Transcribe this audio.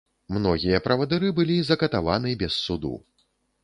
Многія правадыры былі закатаваны без суду.